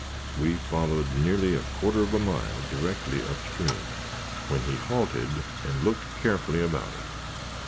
We followed nearly a quarter of a mile directly up stream, when he halted, and looked carefully about him.